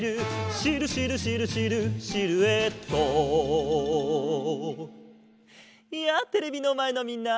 「シルシルシルシルシルエット」やあテレビのまえのみんな！